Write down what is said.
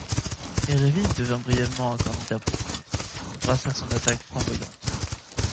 Heerenveen devint brièvement un candidat pour le titre, grâce à son attaque flamboyante.